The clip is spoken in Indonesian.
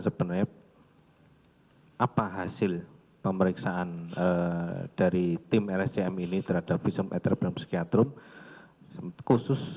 sebenarnya hai apa hasil pemeriksaan dari tim rcm ini terhadap visum etropotum psikiatrum khusus